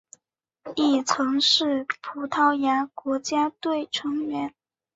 亦曾是葡萄牙国家队成员。